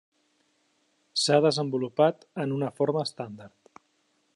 S'ha desenvolupat en una forma estàndard.